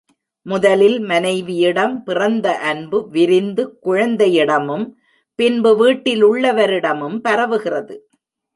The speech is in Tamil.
முதலில் மனைவியிடம் பிறந்த அன்பு விரிந்து குழந்தையிடமும் பின்பு வீட்டிலுள்ளவரிடமும் பரவுகிறது.